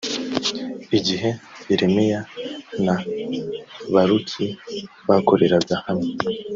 igihe yeremiya na baruki bakoreraga hamwe